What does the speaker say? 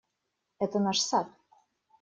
Это наш сад.